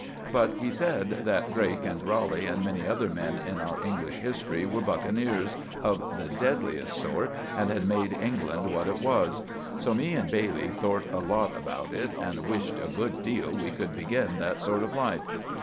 But he said that Drake and Raleigh and many other men in our English history were buckeneers of the dedliest sort and had made England what it was; so me and Bailey thort a lot about it and wished a good deal we could begin that sort of life.